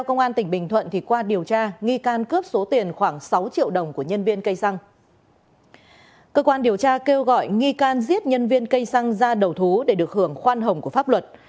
cơ quan điều tra kêu gọi nghi can giết nhân viên cây xăng ra đầu thú để được hưởng khoan hồng của pháp luật